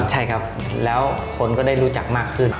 ใช่ครับแล้วคนก็ได้รู้จักมากขึ้น